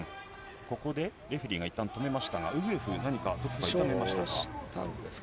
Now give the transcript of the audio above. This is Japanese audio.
ここでレフェリーがいったん止めましたが、ウグエフ、何か、どこか痛めましたか？